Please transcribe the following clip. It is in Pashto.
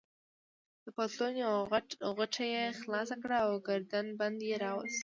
د پتلون یوه غوټه يې خلاصه کړه او ګردن بند يې راوایست.